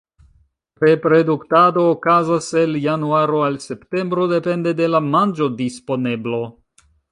Reproduktado okazas el januaro al septembro depende de la manĝodisponeblo.